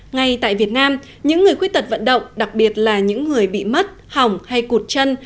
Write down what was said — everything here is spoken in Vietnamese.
ngay tại việt nam những người khuyết tật vận động đặc biệt là những người bị mất hỏng hay cụt chân